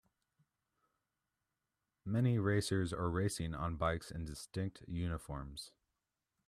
Many racers are racing on bikes in distinct uniforms.